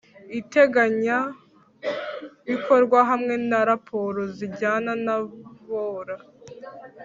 iteganyabikorwa hamwe na raporo zijyana na bola